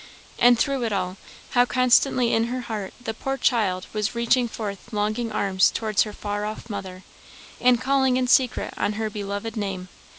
And through it all, how constantly in her heart the poor child was reaching forth longing arms towards her far off mother, and calling in secret on her beloved name.